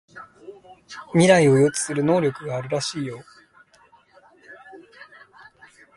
未来を予知する能力があるらしいよ